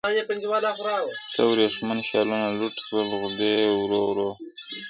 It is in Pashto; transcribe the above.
څه ورېښمین شالونه لوټ کړل غدۍ ورو ورو!!